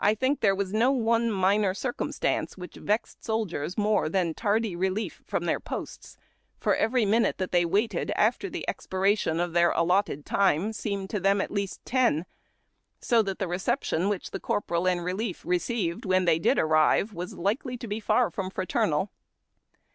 I think there was no one minor circumstance which vexed soldiers more than tardy relief from their posts, for every minute that they waited after the expiration of their allotted time seemed to them at least ten ; so that the reception which the corporal and relief received when they did arrive was likely to be far from fraternal.